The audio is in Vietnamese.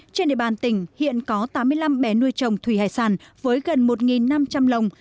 trên địa bàn tỉnh hiện có tám mươi năm bé nuôi trồng thủy hải sản với gần một năm trăm linh lồng